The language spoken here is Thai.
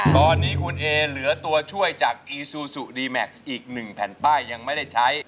ตอนนี้คุณเอเหลือตัวช่วยจากอีซูซูดีแม็กซ์อีก๑แผ่นป้ายยังไม่ได้ใช้